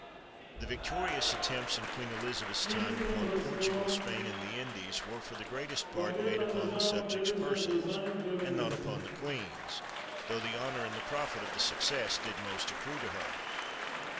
The victorious attempts in Queen Elizabeth's time upon Portugal, Spain, and the Indies, were for the greatest part made upon the subjects' purses, and not upon the queen's; tho the honor and profit of the success did most accrue to her.